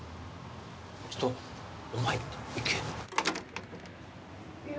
ちょっとお前行けよ。